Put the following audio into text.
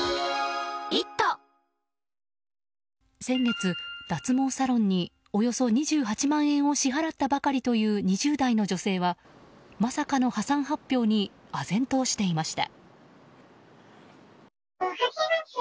先月、脱毛サロンにおよそ２８万円を支払ったばかりという２０代の女性はまさかの破産発表にあぜんとしていました。